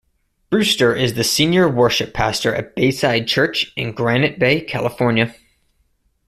Brewster is the senior worship pastor at Bayside Church in Granite Bay, California.